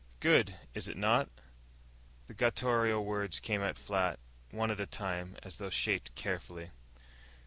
"Good, is it not?" The guttural words came out flat, one at a time, as though shaped carefully.